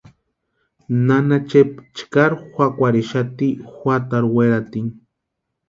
Nana Chepa chkari juakwarhixati juatarhu weratini.